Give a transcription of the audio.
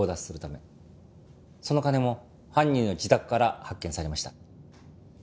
その金も犯人の自宅から発見されました。